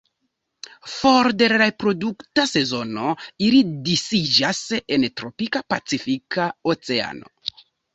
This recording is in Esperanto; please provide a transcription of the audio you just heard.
For de la reprodukta sezono ili disiĝas en tropika Pacifika Oceano.